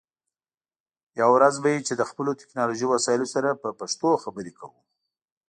یوه ورځ به وي چې له خپلو ټکنالوژی وسایلو سره په پښتو خبرې کوو